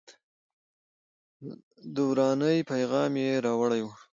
د ورانۍ پیغام یې راوړی و.